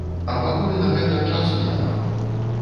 А пакуль на гэта часу няма.